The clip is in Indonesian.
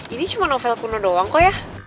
ini cuma novel kuno doang kok ya